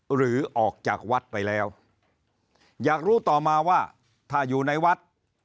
หรือออกจากวัดไปแล้วอยากรู้ต่อมาว่าถ้าอยู่ในวัด